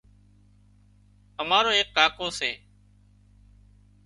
امرو ايڪ ڪاڪو سي